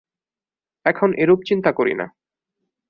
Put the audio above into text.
এখন এরূপ চিন্তা করি না।